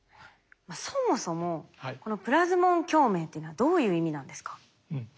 そもそもこのプラズモン共鳴っていうのはどういう意味なんですか？